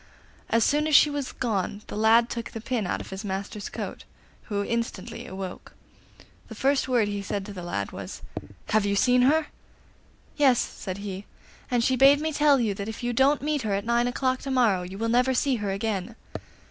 As soon as she was gone the lad took the pin out of his master's coat, who instantly awoke. The first word he said to the lad was, 'Have you seen her?' 'Yes,' said he, 'and she bade me tell you that if you don't meet her at nine o'clock to morrow you will never see her again.